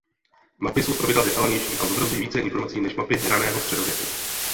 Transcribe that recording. Mapy jsou zpravidla detailnější a zobrazují více informací než mapy raného středověku.